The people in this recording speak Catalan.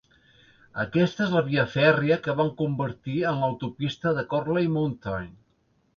Aquesta es la via fèrria que van convertir en l'autopista de Corley Mountain.